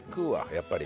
やっぱり。